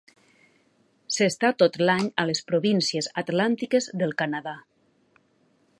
S'està tot l'any a les províncies atlàntiques del Canadà.